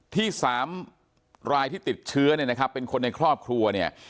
ที่สามรายที่ติดเชื้อเนี่ยนะครับเป็นคนในครอบครัวเนี่ย